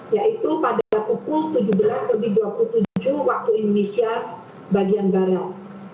yaitu pada pukul tujuh belas lebih dua puluh tujuh waktu indonesia bagian barat